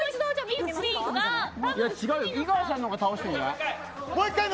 井川さんのが倒してるんじゃない。